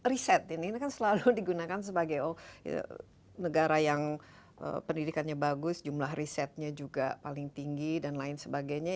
riset ini kan selalu digunakan sebagai negara yang pendidikannya bagus jumlah risetnya juga paling tinggi dan lain sebagainya